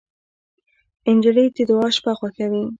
نجلۍ د دعا شپه خوښوي.